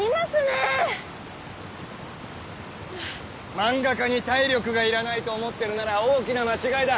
漫画家に体力が要らないと思ってるなら大きな間違いだ。